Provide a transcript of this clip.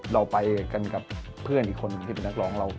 เราไปกันกับเพื่อนอีกคนที่เป็นนักร้องเรา